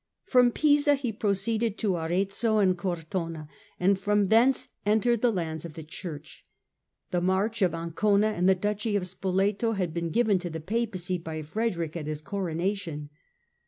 From Pisa he proceeded to Arezzo and Cortona, and from thence entered the lands of the Church. The March of Ancona and the Duchy of Spoleto had been given to the Papacy by Frederick at his Coronation.